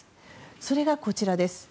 それがこちらです。